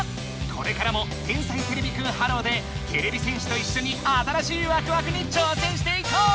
これからも「天才てれびくんｈｅｌｌｏ，」でてれび戦士といっしょに新しいワクワクにちょうせんしていこう！